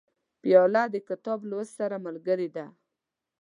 پیاله د کتاب لوست سره ملګرې ده.